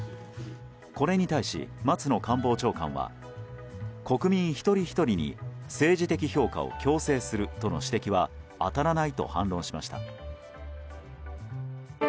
これに対し、松野官房長官は国民一人ひとりに政治的評価を強制するとの指摘は当たらないと反論しました。